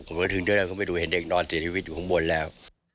มาถึงเดินเข้าไปดูเห็นเด็กนอนเสียชีวิตอยู่ข้างบนแล้ว